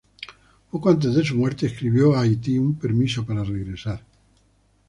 Poco antes de su muerte, escribió a Haití un permiso para regresar.